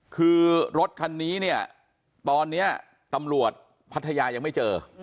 คือรถคันนี้เนี่ยตอนนี้ตำรวจพัทยายังไม่เจอ